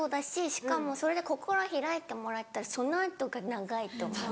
しかもそれで心開いてもらったらその後が長いと思う。